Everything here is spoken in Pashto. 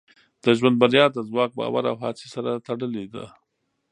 د ژوند بریا د ځواک، باور او هڅې سره تړلې ده.